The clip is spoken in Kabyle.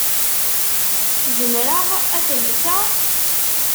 Zemreɣ ad t-llseɣ?